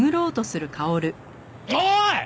おい！